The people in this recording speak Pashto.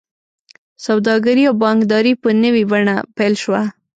سوداګري او بانکداري په نوې بڼه پیل شوه.